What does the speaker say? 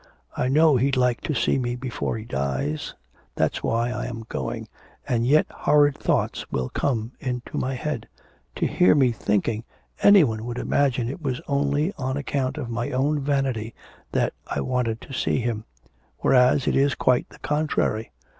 I know he'd like to see me before he dies, that's why I am going, and yet horrid thoughts will come into my head; to hear me thinking, any one would imagine it was only on account of my own vanity that I wanted to see him, whereas it is quite the contrary.